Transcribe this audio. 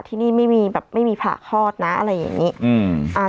ที่นี่ไม่มีผ่าคลอดนะอะไรอย่างเงี้ย